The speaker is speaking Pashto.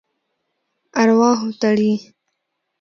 ارواحو تړي.